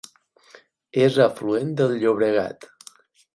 És afluent del Llobregat.